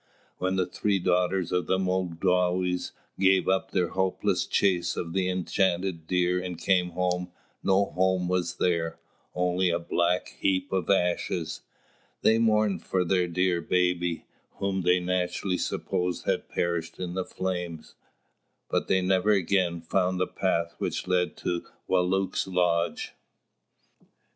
When the three daughters of Mōdāwes gave up their hopeless chase of the enchanted deer and came home, no home was there, only a black heap of ashes. They mourned for their dear baby, whom they naturally supposed had perished in the flames; but they never again found the path which led to Wālūt's lodge.